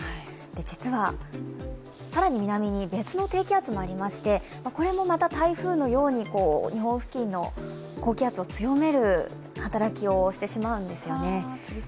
実は、更に南に別の低気圧もありましてこれもまた台風のように、日本付近の高気圧を強める働きをしてしまうんですよね。